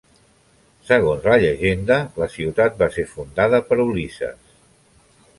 Segons la llegenda, la ciutat va ser fundada per Ulisses.